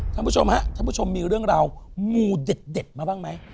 ท่านผู้ชมฮะท่านผู้ชมมีเรื่องราวมูเด็ดมาบ้างไหม